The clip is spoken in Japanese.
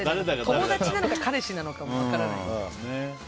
友達なのか彼氏なのか分からない。